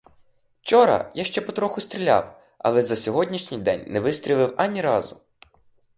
Вчора я ще потроху стріляв, але за сьогоднішній день не вистрілив ані разу.